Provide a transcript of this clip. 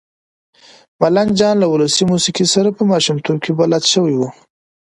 ملنګ جان له ولسي موسېقۍ سره په ماشومتوب کې بلد شوی و.